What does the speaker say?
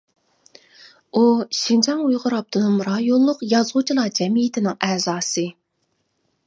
ئۇ شىنجاڭ ئۇيغۇر ئاپتونوم رايونلۇق يازغۇچىلار جەمئىيىتىنىڭ ئەزاسى.